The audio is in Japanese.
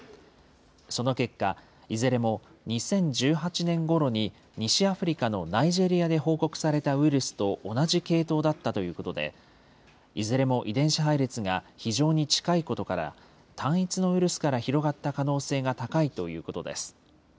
その結果、いずれも２０１８年ごろに西アフリカのナイジェリアで報告されたウイルスと同じ系統だったということで、いずれも遺伝子配列が非常に近いことから、単一のウイルスから広がった可能性が高いということです。